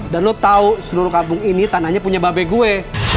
dan lo tau seluruh kampung ini tanahnya punya babek gue